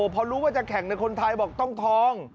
พอรู้ว่าจะแข่งในคนไทยบอกต้องทอง